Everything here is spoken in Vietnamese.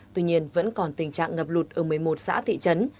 tuy nhiên vẫn còn tình trạng ngập lụt ở một mươi một xã thị trấn